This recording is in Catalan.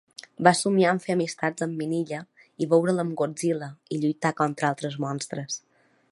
Va somiar amb fer amistat amb Minilla i veure'l amb Godzilla i lluitar contra altres monstres.